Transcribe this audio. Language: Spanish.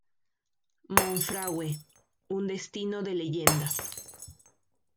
Monfragüe, Un destino de Leyenda.